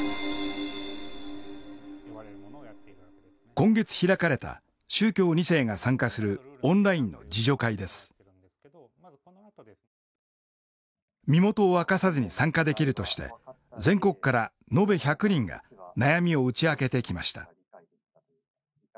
今月開かれた宗教２世が参加する身元を明かさずに参加できるとして全国からのべ１００人が悩みを打ち明けてきました。